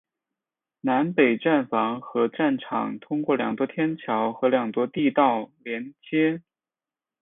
南北站房和站场通过两座天桥和两座地道连接。